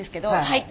はい。